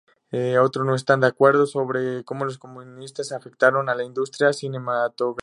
Otros no están de acuerdo sobre cómo los comunistas afectaron a la industria cinematográfica.